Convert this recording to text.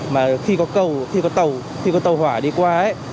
mà khi có cầu khi có tàu khi có tàu hỏa đi qua ấy